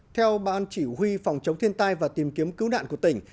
theo ban chỉ huy phòng chống thiên tai và tìm kiếm cứu nạn của tỉnh